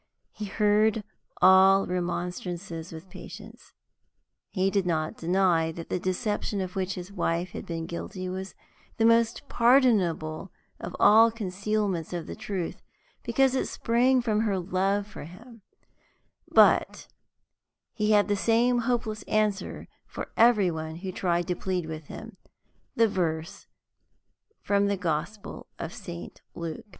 He heard all remonstrances with patience. He did not deny that the deception of which his wife had been guilty was the most pardonable of all concealments of the truth, because it sprang from her love for him; but he had the same hopeless answer for every one who tried to plead with him the verse from the Gospel of Saint Luke.